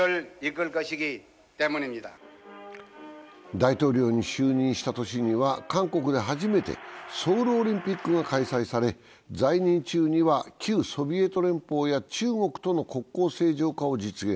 大統領に就任した年には韓国で初めてソウルオリンピックが開催され、在任中には旧ソビエト連邦や中国との国交正常化を実現。